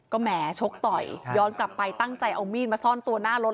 ก็แหมชกต่อยย้อนกลับไปตั้งใจเอามีดมาซ่อนตัวหน้ารถ